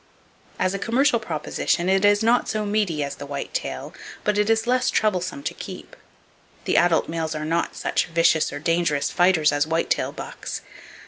As a commercial proposition it is not so meaty as the white tail, but it is less troublesome to keep. The adult males are not such vicious or dangerous fighters as white tail bucks.